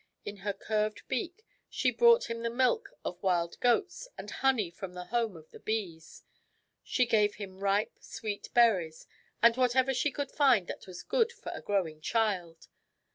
In her curved beak she brought him the milk of wild goats and honey from the home of the bees. She gave him ripe, sweet berries and what ever she could find that was good for a growing child.